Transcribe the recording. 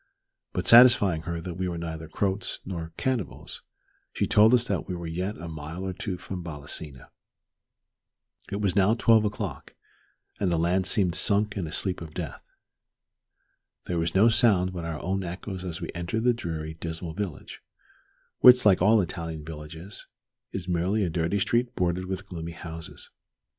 But satisfying her that we were neither Croats nor cannibals, she told us that we were yet a mile or two from Balasina. It was now twelve o'clock, and the land seemed sunk in a sleep of death. There was no sound but our own echoes as we entered the dreary, dismal village, which, like all Italian villages, is merely a dirty street bordered with gloomy houses.